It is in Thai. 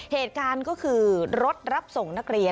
เหตุการณ์ก็คือรถรับส่งนักเรียน